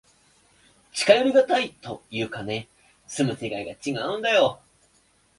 近寄りがたいというかね、住む世界がちがうんだよ。